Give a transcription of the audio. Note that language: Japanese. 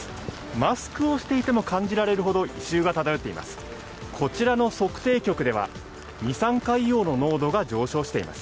マスクをしても感じられるほど異臭が漂っています。